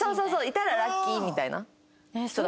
いたらラッキーみたいな。